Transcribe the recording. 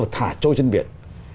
và thả trôi trên biển